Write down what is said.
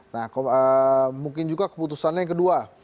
nah mungkin juga keputusannya yang kedua